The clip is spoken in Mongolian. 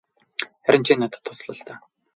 Харин чи надад тусал л даа.